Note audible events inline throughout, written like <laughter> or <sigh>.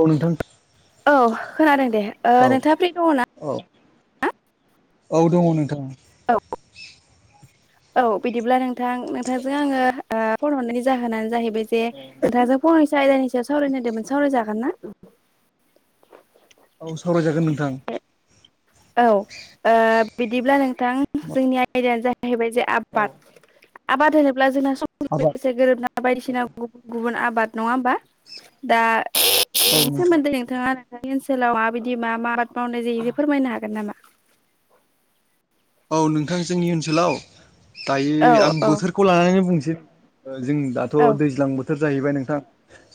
औ नोंथां औ खोनादों दे ओ औ नोंथाङा फ्रि दङ ना? औ औ दङ नोंथाङा। औ औ बिदिब्ला नोंथां नोंथांजों आङो ओ फन हरनायनि जाहोनानो जाहै बे जे नोंथांजों फंनैसो आयदानि सायाव सावरायनो होनदोंमोन सावराय जागोन ना? औ सावरायजागोन नोंथां औ ओ बिदिब्ला नोंथां जोंनि आयदानो जाहै हैबाय जे औ आबाद आबाद होनोब्ला जोंना समजों आबाद लोगोसे गोरोबना बायदिसिना औ गुबुन गुबुन आबाद नङा होमबा दा बेनि नोंथां सोमोन्दै नोंथाङा नोंथांनि ओनसोलाव माबायदि मा मा आबाद मावनाय जायो बे फोरमायनो हा गोन नामा? औ नोंथां जोंनि ओनसोलाव दायो औ आं औ बोथोरखौ लानानैनो बुंनोसै। ओ जों दाथ' औ दैज्लां बो बोथोर जाहैबाय नोंथां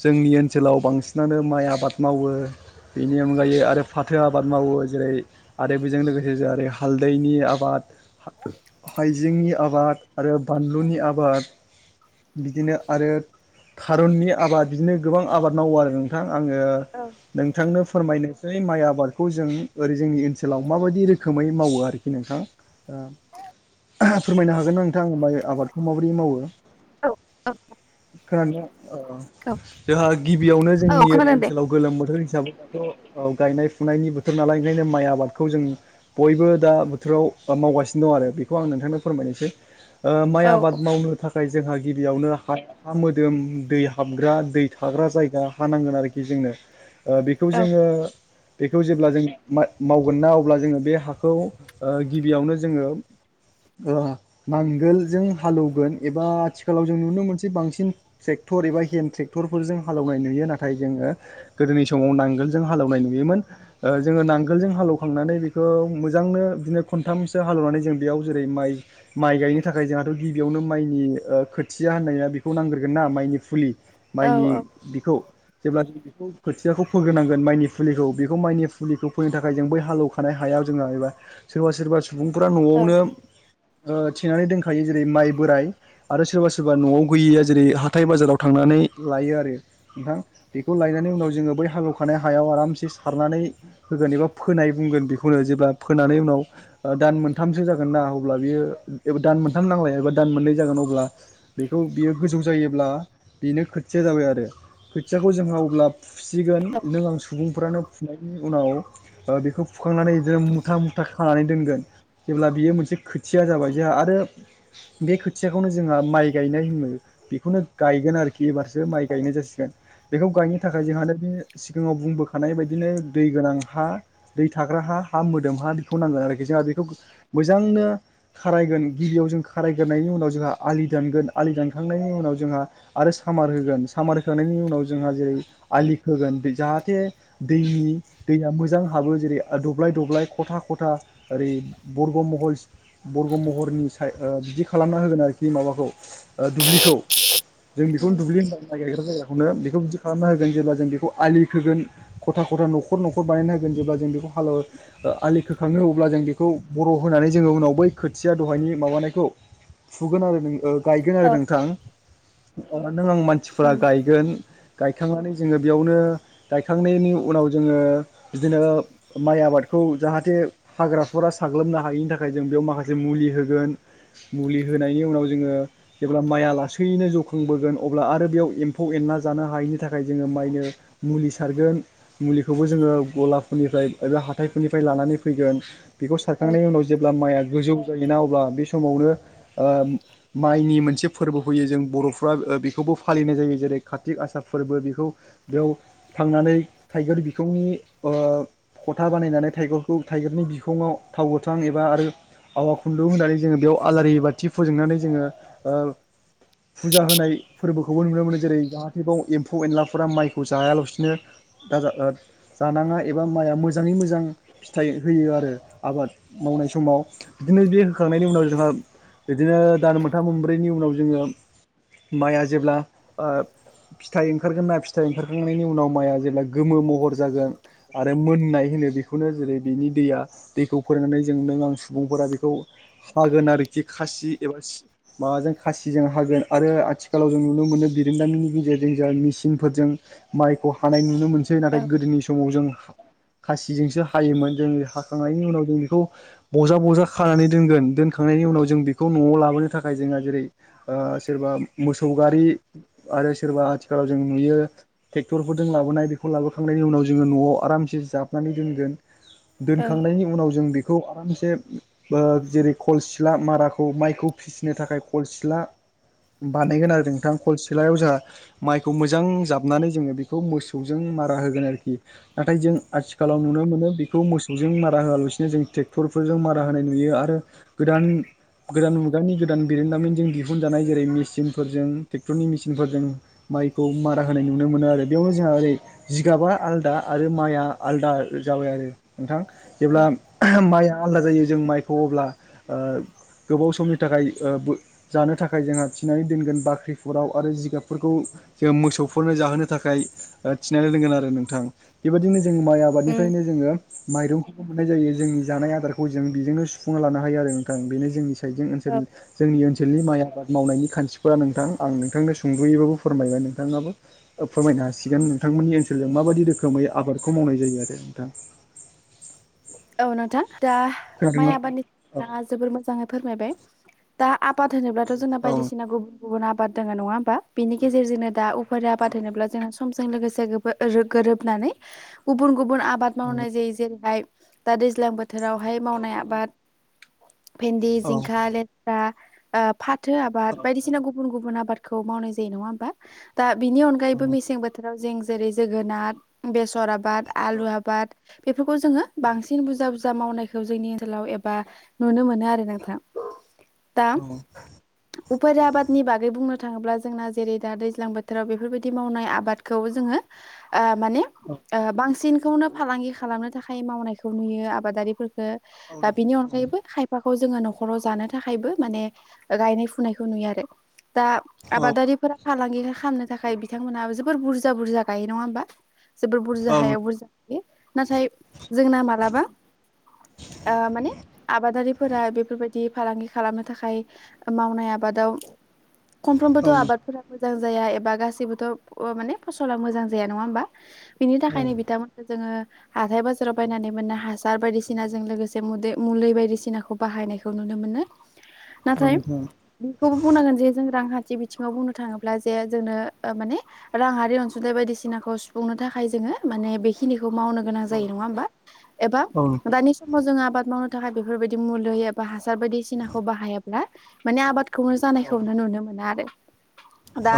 जोंनि ओनसोलाव बांसिनानो माइ आबाद मावो। बेनि अनगायै आरो फाथो आबाद मावो जेरै आरो बेजों लोगोसे जरै हालदैनि आ बाद हाइजेंनि आबाद आरो बानलुनि आबाद बिदिनो आरो थारुननि आबाद बिदिनो गोबां आबाद मावो आरो नोंथां। आङो औ नोंथांनो फोरमायनोसै माइ आबादखौ जों ओरै जोंनि ओनसोलाव माबायदि रोखोमै मावो आरोखि नोंथां। फोरमायनो हागोन नों थां माइ आबादखौ माबोरै मावो खोनादों। ओ औ जोंहा गिबियावनो औ औ जोंनि ओरै खोनादों दे ओनसोलाव गोलोम बोथोरनि। हिसाबै दाथ' ओ गायनाय फुनायनि बोथोर नालाय ओंखायनो माइ आबादखौ जों बयबो दा बोथोराव। बा मावगासिनो दं आरो बेखौ आं नोंथांनो फोरमायनोसै ओ माइ औ आबाद मावनो थाखाय। जोंहा गिबियावनो हा हा मोदोम दै हाबग्रा दै थाग्रा जायगा हा नांगोन आरोखि जोंनो। ओ‌ बेखौ औ जोङो बेखौ जेब्ला जों मावगोन ना अब्ला जोङो बे हाखौ ओ गिबियावनो जोङो ओ नांगोलजों हालौवगोन एबा आथिखालाव जों नुनो मोनसे बांसिन ट्रेक टर एबा हेन्द ट्रेक्टरफोरजों हालौनाय नुयो नाथाय जोङो गोदोनि समाव नांगोलजों हालेनाय नुयोमोन। ओ जोङो नांगोलजों हालेवखांनानै बेखौ मोजांनो। खनथामसो हालेवनानै जों बेयाव जेरै माइ माइ गायनो थाखाय जोंहाथ' गिबियावनो माइनि ओ खोथिया। हानाया बेखौ नांग्रोगोन ना माइनि फुलि माइनि औ बेखौ जेब्ला जों बेखौ खोथियाखौ फोग्रोनांगोन माइनि फुलिखौ बेखौ माइनि फुलिखौ फोनो थाखाय जों बै हालेवखानाय हाया। जोंबा सोरबा सोरबा सुबुंफोरा औ न'आवनो। थेनानै दोनखायो जेरै माइ बोराइ आरो सोरबा सोरबा न'आव गैयिया जेरै हाथाय बाजाराव थांनानै। लायो आरो नोंथां बेखौ लायनानै उनाव जोङो बै हाल्रखानाय हायाव आरामसे सारनानै। होगोन एबा फोनाय बुंगोन बेखौनो जेब्ला फोनानै उनाव। दान मोनथामसो जागोन ना अब्ला बियो एा दान मोनथाम नांलाया एबा दान मोननै जागोन अब्ला बेखौ बियो गोजौ जायोब्ला बेनो खोथिया जाबाय आरो। खोथियाखौ जोंहा अब्ला फुसिगोन नों आं सुबुंफ्रानो फुनायनि उनाव बेखौ हुखांनानै जों मुथा मुथा खानानै दोनगोन जेब्ला बियो मोनसे खोथिया जाबाय जोंहा आरो बे खोथियाखौनो जोंहा मा माइ गायनाय होनो बेखौनो गायगोन आरोखि एबारसो माइ औ गायनाय जासिगोन। बेखौ गायनो थाखाय जोंहानो बे सिगाङाव बुंबोखानाय बदिनो दै गोनां हा दै थाग्रा हा। हा मोदोम हा। नांगोन आरोखि जोंहा बेखौ मोजांनो खारायगोन गिबियाव जों खारायग्रोनायनायनि उनाव जोंहा आलि। दानगोन आलि दानखांनायनि उनाव जोंहा आरो सामार होगोन सामार होखांनायनि उनाव जोंहा जेरै आय लि खोगोन जाहाथे दैनि दैयाबो जानो हागौ जेरै दब्लाय दब्लाय खखा खथा ओरै' बरग महरस बरग महरनि साइद बिदि खालामना होनाय उनाव। माखौ ओ दुब्लिखौ जोंंनिखौ दुब्लि होननानै नागिरगोन। खौनो बेखौ बिदि खालामना होगोन जेब्ला जों बेखौ आलि फोगोन खथा खथा न'खर न'खर बानायना होगोन जेब्ला जों बेखौ हालौगोन ओ आथिखाल खाङो अब्ला जों बेखौ बर' होनानै जोङो उनाव बै खोथिया दहायनि माबानायखौ। सुगोन आरो ओ। गायगोन आरो नोंथां नों आं मानसिफोरा उम गायगोन। गायखांनानै जोङो बेयावनो गायखांनायनि उनाव जोङो बिदिनो माइ आबादखौ। खौ जाहाथे। हाग्राफोरा साग्लोबनो हायिनि थाखाय जों बेयाव माखासे मुलि होगोन मुलि होनायनि उनाव जोङो। जेब्ला माइया लासैनो जौखांबोगोन अब्ला आरो बेयाव एम्फौ एनला जानो हायैनि थाखाय जोङो माइनि मुलि सारगोन मुलिखौबो जोङो गलाफोरनिफ्राय एबा हााइफोरनिफ्राय लानानै फ फैगोन बेखौ औ सारखांनायनि उनाव जे ब्ला माइआ गोजौ जायोना अब्ला बे समावनो माइनि मोनसे फोरबो फैयो जों बर' बर'फोरा बेखौबो फालिनाय जायो जेरै कार्तिक आसार फोरबो बेखौ बेयाव थांनानै। थाइगिर बिखुं ओ खथा बानायनानै थाइग थाइगिरनि बिखङाव थाव गोथां एबा आरो आवा खुन्दुं होननानै जोङो बेयाव आलारि बाथि। फोजोंनानै जोङो ओ फुजा होनाय फोरबोखौ। खौबो नुनो मोनो जेरै जाहाथेबाव एम्फौ एनलाफोरा माइखौ जायालासिनो दा जानांग नाङा एबा माइआ मोजाङै मोजां फिथाइ होयो आरो आबाद मावनाय समाव बिदिनो बे होखांनायनि उनाव जोंहा बिदिनो दान मोनथाम मोनब्रैनि उनाव जोङो माइआ जेब्ला आ फिथाइ ओंखारगोन ना फिथाइ ओंखारखांनायनि उनाव माइआ जेब्ला गोमो महर जागोन आरो मोननाय होनो बे बेखौनो जेरै बेनि दैया दैखौ फोरोंनानै जोंनो आं सुबुंफोरा बेखौ हागोन आरोखि खासि एबा माबाजों खासिजों हागोन आरो आथिखालाव जों नुनो मोनो बिरोंदामिननि गेजेरजों जों मेचिन फोरजों माइखौ हानाय नुनो मोनसै औ नाथाय गोदोनि समाव जों खासि जोंसो हायोमोन जों हाखांनायनि उनाव जों बेखौ बजा बजा खानानै दोनगोन दोनखांनायनि उनाव ज जों बेखौ न'आव लाबोनो थाखाय जोंहा जेरै ओ सोरबा मोसौ गारि आरो सोरबा आथिखालाव जों नुयो ट्रेक्टरफोरजों लाबोनाय बेखौ लाबोखांनायनि उनाव जोङो न'आव आरामसे जाब फैनानै औ दोनगोन उनाव जों बेखौ आरामसे जेरै खल सिला माराखौ माइखौ फिसिनो थाखाय खल सिला बानायगोन आरो नोंथां खलसिलायाव जोंयहा माइखौ मोजां जाबनानै जोङो बेखौ मोसौजों मारा होगोन आरोखि नाथाय जों आथिखाल आथिखालाव नुनो मोनो बेखौ मोसौजों मारा होआलासिनो जों ट्रेक्टरफोरजों मारा होनाय नुयो आरो गोदान गोदान मुगानि गोदान बिरेनदामिनजों दिहुनजानाय जेरै मेसिनफोरजों ट्रेक्टरनि मेसिनफोरजों माइखौ मारा होनाय नुनो मोनो आरो बेयाव जोंहा ओरै जिगाबा आलदा आरो माइआ आलदा जाबाय आरो नोंथां जेब्ला औ माइआ आलादा जायो जों माइ थबब्ला गोबाव समनि थाखाय ओ जानो थाखाय जोंहा थिनानै दोनगोन बाख्रिफोराव आरो जिगाबफोरखौ जों मोसौफोरनो जाहोनो थाखाय थिनानै दोनगोन आरो नोंथां बेबायदिनो जों माइ उम आबादनिफ्रायनो जोङो माइरंखौबो मोननाय जायो जोंनि जानाय आदारखौ जों बेजोंनो सुफुंना लानो हायो आरो नोंथां बेनो जोंनि जों औ -जोंनि ओनसोलनि माइ आबाद मावनायनि खान्थिफोरा नोंथां आं नोंथांनो सुंद'यैबाबो फोरमायबाय नोंथाङाबो फोरमायनो हासिगोन नोंथां। नोंथांमोननि ओनसोलजों माबायदि रोखोमै आबादखौ मावनाय जायो आरो नोंथां? औ नोंथां दा माइ खोनादोंना आबादनि <unintelligible> जोबोर मोजाङै फोरमायबाय दा आबाद होनोब्लाथ' जोंना औ बायदिसिना गुबुन गुब आबाद दोङो नङा हनबा बेनि गेजेरजोंनो दा आबाद होनोब्ला जों समजों लोगोसे गोरोब गोरोबनानै गुबुन गुबुन आबाद मावनाय जायो जेरैहाय दा दैज्लां बोथोरावहाय मावनाय आबाद भेन्दि, औ जिंखा, लेथ्रा आ फाथो आबाद बायदिसिना गुबुन गुबुन आबाद खौ मावनाय जायोा ह दा बिनि अनायैबो मेसें बोथोर राव जों जेरै जोगोनार बेसर आबाद, औ आलु आबाद बेफोरखौ जोङो औ बांसिन बुरजा बुरजा मावनायखौ जोंनि ओनसोलाव एबा नुनो मोनो आरो नोंथां दा औ। उफेरा आबादनि बागै बुंनो थाङोब्ला जोंना जेरै दा दैज्लां बोथोराव बेफोरबायदि मावनाय आबादखौ जोङो ओ माने ओ बांसिनखौनो फालांगि खालामनो थाखाय मावनायखौ नुयो आबादारिफोरखौ। ओ बिनि अनगायैबो खायफा खौ जोङो न'खराव जानो थाखायबो माने गायनाय फुनायखौ नुयो आरो। दा औ आबादारिफोरा। फालांगि खालामनो थाखाय बिथांमोनाबो जोबोर बुरजा बुरजा गायो नङा होमबा। जोबोर बुरजा हायाव बुरजा गायो नाथाय। जोंना मालाबा ओ माने आबादारिफोरा बेफोरबायदि फालांगि खालामनो थाखाय मावनाय आबादाव खमफ्रोमबोथ' आबादफोराबो। मोजां जाया एबा गाससिबोथ' माने फस'ला मोजां जाया नङा होमबा। बिनि थाखायनो बिथांमोनखौ जोङो हाथाय बाजा राव बायनानै मोननाय हासार बायदिसिनाजों लोगोसे मुदे मुलि बायदिसिनाखौ बाहायनायखौ नुनो मोनो। नाथाय बेखौबो बुंनांगोन जे जों रांखा न्थि बिथिङाव बुंनो थाङोब्ला जे जोंनो माने राङारि अनसुंथाइ बायदिसिनाखौ सुफुंनो थाखाय जोङो। माने बेखिनिखौ मावनो गोनां जायो नङा होनबा एबा दानि समाव जोङो आबाद मावनो। थाखाय बेफोर बायदि मुलै एबा हासार बायदिसिनाखौ बाहायाब्ला माने आबाद खौनो जानायखौनो नुनो मोना आरो दा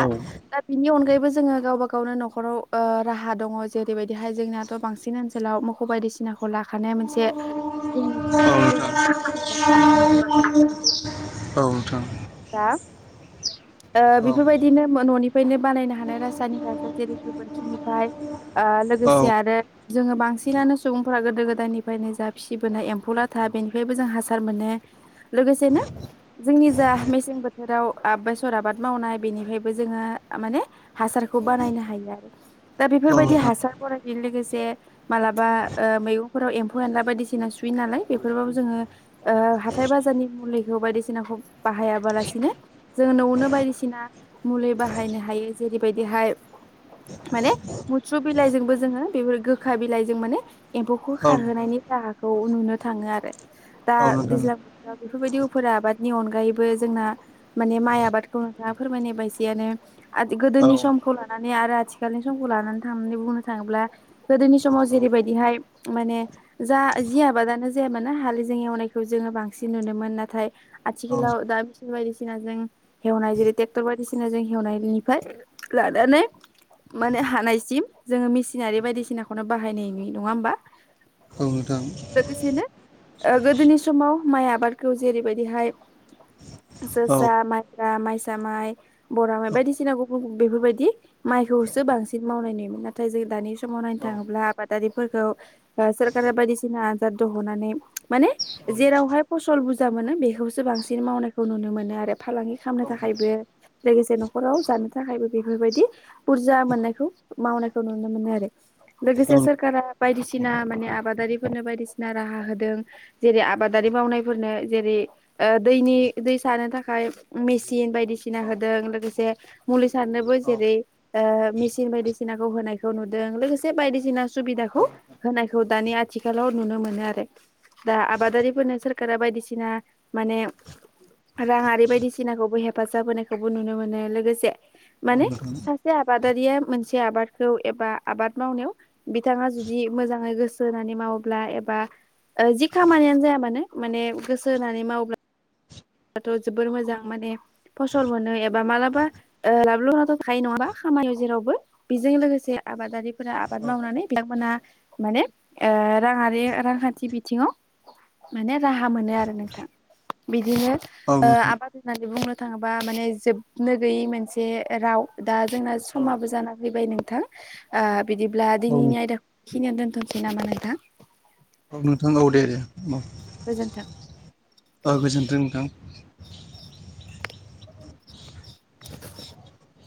दा बिनि अनगायैबो जोङो गावबा गा गावनो नखराव ओ राहा दङ जेरैबायदिहाय जोंनियाथ' बांसिन ओनसोलाव मोखौ बायदिसिना खौ लाखानाया मोनसे जोंनि खामानि बा लाखानायखौ औ नोंथां। <unintelligible> ओ बेफोरबायदिनो न'निफ्रायनो बानायनो हानाय रासायनिक हासार जेरै गोबोरखिनिफ्राय आ लोगोसे आरो जोङो बांसिनानो सुबुंफोरा गोदो गोदायनिफ्रायनो जा फिबोनाय एम्फौला था बेनिफ्रायबो जों हासार मोनो। लोगोसेनो जोंनि जा मेसें बोथोराव आ बे सर आबाद मावनाय बेनिफ्रायबो जोङो माने हासारखौ बानायनो हायो आरो। दा बेफोरबायदि हासारफोराय बे लोगोसे मालाबा ओ मैगंफोराव एम्फौ एनला बायदिसिना सुयो नालाय बेफोराव जोङो ओ हाथाय बाजारनि मुलिखौ बायदिसिनाखौ बाहायाबालासिनो जों न'आवनो बायदिसिना मुलि बाहायनो हायो जेरैबायदिहाय माने मैथ्रु बिलाइजोंबो जोङो बेफोर गोखा बिलाइजों माने एम्फौखौ खारहोनायनि राहाखौ नुनो थाङो आरो। दा दैज्लां बोथोराव बेफोरबायदि उफरा आबादनि अनगायैबो जोंना माने माइ आबादखौ नोंथाङा फोरमायनाय बायजियानो गोदोनि समखौ लानानै आरो आथिखालनि समखौ लानानै थांनानै बुंनो थाङोब्ला गोदोनि समाव जेरैबायदिहाय माने जा जि आबादा नो जायामानो हालिजों एवनायखौ जोङो बांसिन नुनो मोन नाथाय आथिखालाव दा बिफोर बायदि बायदिसिना जों हेवनाय जेरै टेक्टर बायदिसिना जों हेवनाय बिनिफ्राय लानानै माने हानायसिम जोङो मेसिनारि बायदिसिनाखौनो बाहायनाय नुयो नङा होमबा। औ नोथां। ओ गोदोनि समाव माइ आबादखौ जेरैबायदिहाय जोसा माइ ब्रा माइसा माइ बरा माइ बायदिसिना गुबुन बेफोरबायदि माइखौसो बांसिन मावनाय नुयोमोन। नाथाय जों दानि समाव नायनो थाङोब्ला आबादारिफोरखौ सोरखारा बायदिसिना आनजाद दहननानै माने जेरावहाय फसल बुरजा मोनो बेखौसो बांसिन मावनाय नुनो मोनो आरो, फालांगि खालामनो थाखायबो लोगोसे न'खराव जानो थाखायबो बेफोरबायदि बुरजा मोननायखौ मावनायखौ नुनो मोनो आरो। लोगोसे सोरखारा बायदिसिना माने आबादारिफोरनो बायदिसिना राहा होदों जेरै आबादारि मावनायफोरनो जेरै ओ दैनि दै सारनो थाखाय मेचिन बायदिसिना होदों लोगोसे मुलि सारनोबो जेरै ओ मेसिन बायदिसिनाखौ होनायखौ नुदों लोगोसे बायदिसिना सुबिदाखौ होनायखौ दानि आथि खालाव नुनो मोनो आरो। दा आबादारिफोरनो सोरखारा बायदिसिना माने रांआरि बायदिसिनाखौबो हेफाजाब होनायखौबो नुनो मोनो लोगोसे माने सासे आबाद दारिया मोनसे आबादखौ एबा आबाद मावनायाव, बिथाङा जुदि मोजांङै गोसो होनानै मावो ब्ला एबा ओ जि खामानियानो जाया मानो माने गोसो होनानै माब्ला थ' जोबोर मोजां माने फसल मोनो एबा माब्लाबा लाभ लखसानाथ' थायो नङा <unintelligible> खामायो जेरावबो। बेजों लोगोसे आबादारिफोरा आबाद मावनानै, बिथां मोनहा माने एबा <unintelligible> राङारि, रांखान्थि बिथिङाव माने राहा मोनो आरो नोंथां। बिदिनो ओ आबाद होननानै बुंनो थाङोबा माने जोबनो गैयै मोनसे राव। दा जोंना समाबो जाना फैबाय नोंथां ओ बिदिब्ला दिनैनि आयदाखौ खिनियानो दोनथ'सै नामा नोंथां? औ नोंथां औव दे। औ गोजोन्थों। औ गोजोनथों नोंथां। <inaudible> ़ <inaudible>